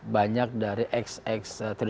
banyak dari xx